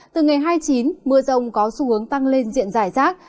từ ngày hai mươi chín mưa rông có xu hướng tăng lên diện giải rác